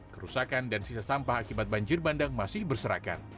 kerusakan dan sisa sampah akibat banjir bandang masih berserakan